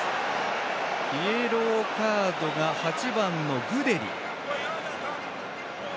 イエローカードが８番のグデリ。